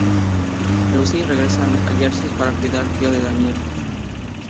Lucille regresa a Nueva Jersey para cuidar al tío de Daniel, Louie.